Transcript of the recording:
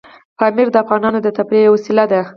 پامیر د افغانانو د تفریح یوه وسیله ده.